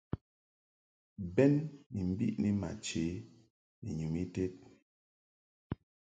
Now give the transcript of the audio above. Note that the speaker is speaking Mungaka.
Bɛn ni mbiʼni ma chə ni nyum ited.